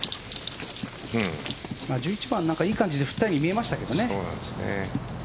１１番いい感じで振ったように見えましたけどね。